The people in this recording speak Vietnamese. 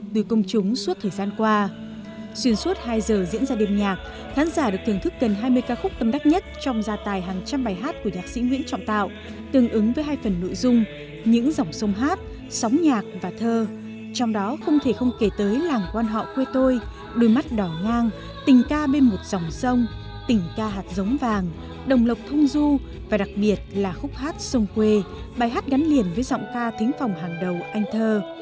từ mắt đỏ ngang tình ca bên một dòng sông tình ca hạt giống vàng đồng lộc thông du và đặc biệt là khúc hát sông quê bài hát gắn liền với giọng ca thính phòng hàng đầu anh thơ